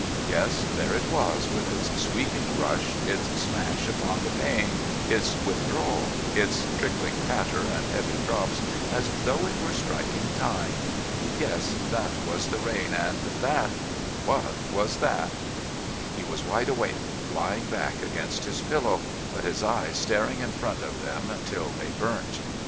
Yes, there it was with its sweeping rush, its smash upon the pane, its withdrawal, its trickling patter and heavy drops as though it were striking time. Yes, that was the rain and that What was that? He was wide awake, lying back against his pillow, but his eyes staring in front of them till they burnt.